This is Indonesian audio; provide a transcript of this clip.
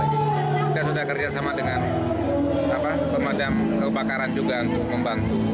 kita sudah kerjasama dengan pemadam kebakaran juga untuk membantu